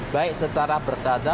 baik secara perdata